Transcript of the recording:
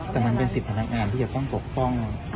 แต่มันเป็นสิทธิพนักงานที่จะต้องปกป้อง